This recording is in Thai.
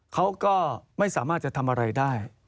เขาก็ไม่สามารถจะทำอะไรได้